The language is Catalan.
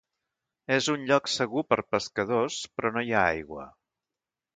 És un lloc segur per pescadors, però no hi ha aigua.